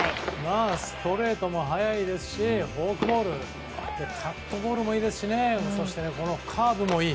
ストレートも速いですしフォークボールカットボールもいいですしそして、このカーブもいい。